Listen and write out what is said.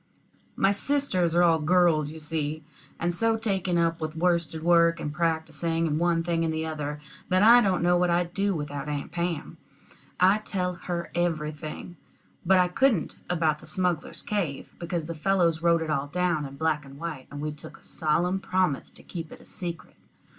My sisters are all girls, you see, and so taken up with worsted work, and practicing, and one thing and the other, that I don't know what I'd do without Aunt Pam. I tell her everything; but I couldn't about the smugglers' cave, because the fellows wrote it all down in black and white, and we took a solemn promise to keep it a secret.